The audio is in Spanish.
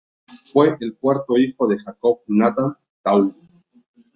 Fue el cuarto hijo de Jacob Nathan Taub.